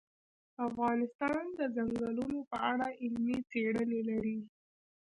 افغانستان د ځنګلونه په اړه علمي څېړنې لري.